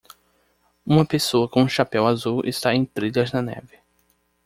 Uma pessoa com um chapéu azul está em trilhas na neve.